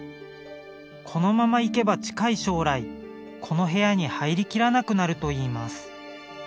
このままいけば近い将来この部屋に入りきらなくなるといいます。